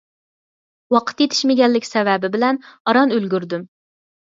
ۋاقىت يېتىشمىگەنلىك سەۋەبى بىلەن ئاران ئۈلگۈردۈم.